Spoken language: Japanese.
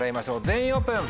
全員オープン！